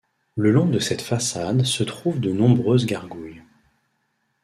Le long de cette façade se trouvent de nombreuses gargouilles.